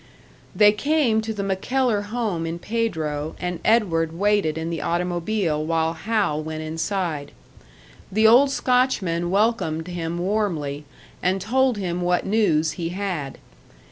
They came to the MacKellar home in Pedro, and Edward waited in the automobile while Hal went inside. The old Scotchman welcomed him warmly, and told him what news he had.